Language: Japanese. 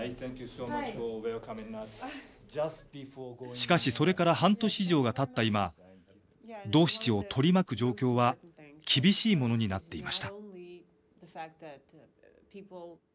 しかしそれから半年以上がたった今ドーシチを取り巻く状況は厳しいものになっていました。